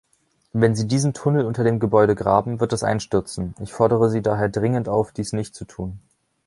Wenn Sie diesen Tunnel unter dem Gebäude graben, wird es einstürzen. Ich fordere Sie daher dringend auf, dies nicht zu tun.